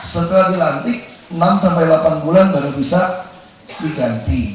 setelah dilantik enam sampai delapan bulan baru bisa diganti